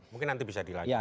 mungkin nanti bisa dilanjutkan